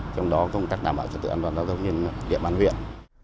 trong đó công tác đảm bảo cho tựa an toàn giao thông nghiêm địa bàn huyện